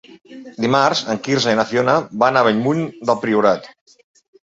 Dimarts en Quirze i na Fiona van a Bellmunt del Priorat.